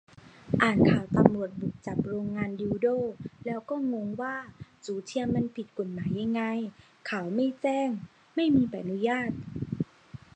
อ่านข่าวตำรวจบุกจับโรงงานดิลโด้ แล้วก็งงว่า จู๋เทียมมันผิดกฎหมายยังไง ? ข่าวไม่แจ้ง ไม่มีใบอนุญาต ?